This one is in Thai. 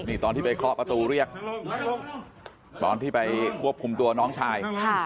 นี่ตอนที่ไปเคาะประตูเรียกตอนที่ไปควบคุมตัวน้องชาย